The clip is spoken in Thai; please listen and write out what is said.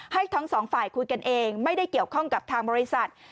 ทั้งสองฝ่ายคุยกันเองไม่ได้เกี่ยวข้องกับทางบริษัท